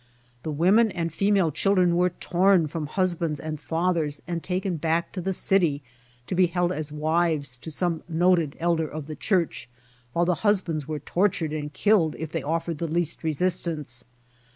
The women and female children were torn from husbands and fathers and taken back to the city to be held as wives to some noted elder of the Church, while the husbands were tortured and killed if they offered the least resistance.